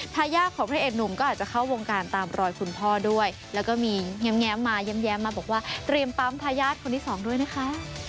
ทายาทของพระเอกหนุ่มก็อาจจะเข้าวงการตามรอยคุณพ่อด้วยแล้วก็มีแง้มมาแย้มมาบอกว่าเตรียมปั๊มทายาทคนที่สองด้วยนะคะ